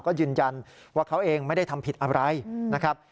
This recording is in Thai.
ก็ยืนยันว่าเขาเองไม่ได้ทำผิดอะไรนะครับ